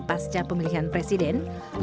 pasca pemilihan presiden